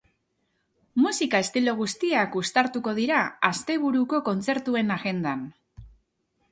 Musika estilo guztiak uztartuko dira asteburuko kontzertuen agendan.